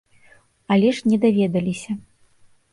Але ж не даведаліся.